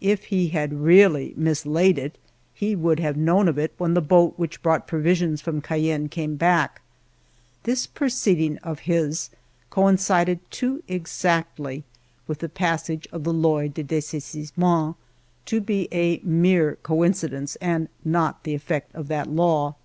If he had really mislaid it, he would have known of it when the boat which brought provisions from Cayenne came back. This proceeding of his coincided too exactly with the passage of the Loi de Dessaisissement to be a mere coincidence and not the effect of that law.